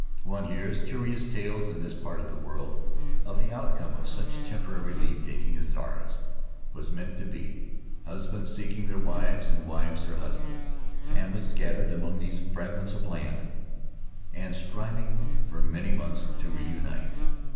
One hears curious tales, in this part of the world, of the outcome of such temporary leave takings as ours was meant to be — husbands seek ing their wives and wives their husbands; families scattered among these fragments of land and striving for many months to reunite.